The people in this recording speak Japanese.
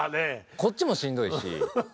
こっちもしんどいし。